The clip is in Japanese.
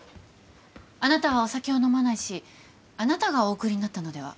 あなたはお酒を飲まないしあなたがお送りになったのでは？